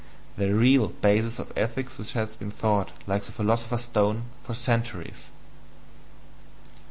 the REAL basis of ethics which has been sought, like the philosopher's stone, for centuries."